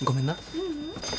ううん。